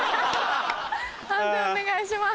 判定お願いします。